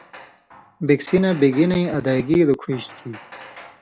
بِکسی نہ بِگنَیں ادائیگی لُکُھژیۡ تھی